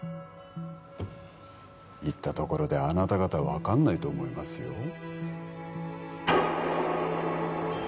言ったところであなた方分かんないと思いますよ